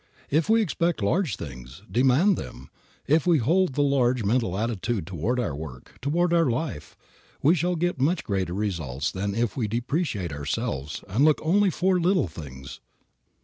If we expect large things, demand them; if we hold the large mental attitude toward our work, toward life, we shall get much greater results than if we depreciate ourselves, and look for only little things.